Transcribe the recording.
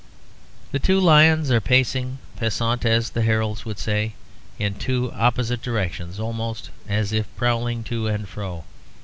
The two lions are pacing, passant as the heralds would say, in two opposite directions almost as if prowling to and fro.